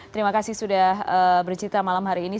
terima kasih sudah bercita malam hari ini